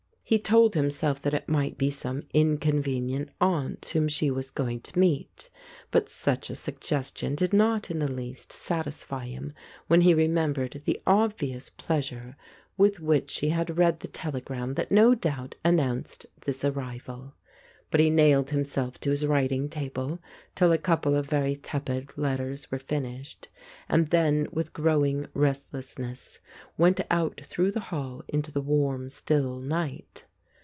He told himself that it might be some inconvenient aunt whom she was going to meet, but such a sug gestion did rtot in the least satisfy him when he remefnbprprl tj|g obvious pleasure with which she had 199 The Ape read the telegram that no doubt announced this arrival. But he nailed himself to his writing table till a couple of very tepid letters were finished, and then, with growing restlessness, went out through the hall into the warm, still night.